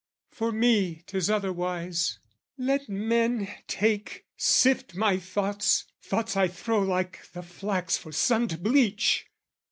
For me, 'Tis otherwise: let men take, sift my thoughts Thoughts I throw like the flax for sun to bleach!